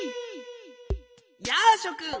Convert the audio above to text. やあしょくん！